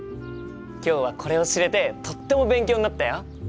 今日はこれを知れてとっても勉強になったよ！